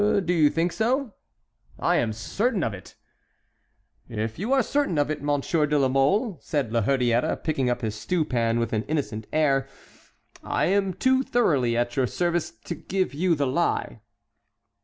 "Do you think so?" "I am certain of it." "If you are certain of it, Monsieur de la Mole," said La Hurière, picking up his stew pan with an innocent air, "I am too thoroughly at your service to give you the lie."